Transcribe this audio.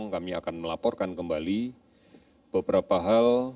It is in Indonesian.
kami akan melaporkan kembali beberapa hal